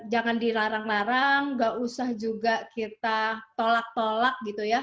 jangan dilarang larang gak usah juga kita tolak tolak